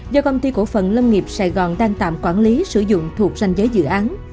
do công ty cổ phần lâm nghiệp sài gòn đang tạm quản lý sử dụng thuộc danh giới dự án